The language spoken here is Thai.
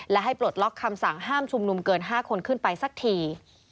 และให้ปลดล็อกคำสั่งห้ามชุมนุมเกิน๕คนขึ้นไปสักที